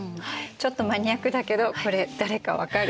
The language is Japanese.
ちょっとマニアックだけどこれ誰か分かる？